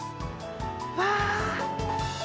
うわ！